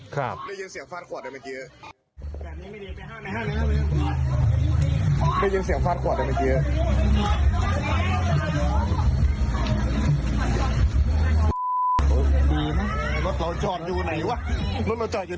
ครับ